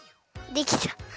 できた？